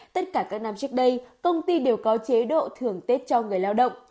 tất cả các năm trước đây công ty đều có chế độ thường tết cho người lao động